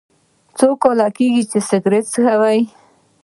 څو کاله کیږي چې سګرټ څکوئ؟